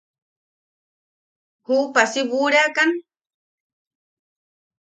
¿Juupa si buʼureakan?